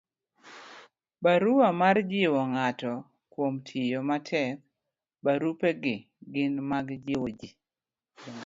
barua mar jiwo ng'ato kuom tiyo matek. barupegi gin mag jiwo ji